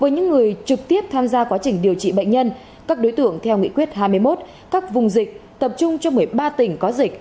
những người trực tiếp tham gia quá trình điều trị bệnh nhân các đối tượng theo nghị quyết hai mươi một các vùng dịch tập trung cho một mươi ba tỉnh có dịch